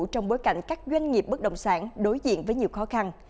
trong bối cảnh các doanh nghiệp bất động sản đối diện với nhiều khó khăn